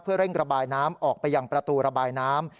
เร่งระบายน้ำออกไปยังประตูระบายน้ำ